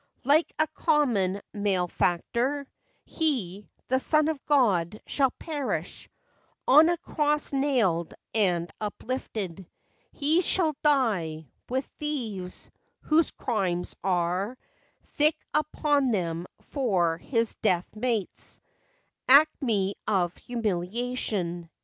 " Like a common malefactor, He, the son of God, shall perish; On a cross nailed and uplifted He shall die, with thieves whose crimes are Thick upon them for his death mates; Acme of humiliation!